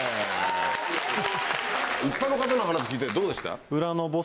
一般の方の話聞いてどうでした？